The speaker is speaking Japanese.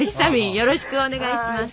よろしくお願いします。